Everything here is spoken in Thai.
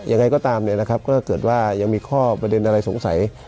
แต่ยังไงก็ตามนะครับก็เกิดว่ายังมีข้อประเด็นอะไรสงสัย